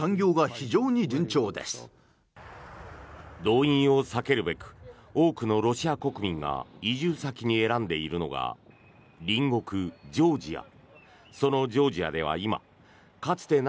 動員を避けるべく多くのロシア国民が移住先に選んでいるのが隣国ジョージア。